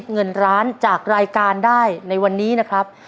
ถูกครับ